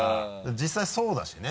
実際そうだしね。